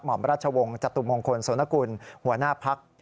หมอมราชวงศ์จตุมงคลโสนกุลหัวหน้าพัก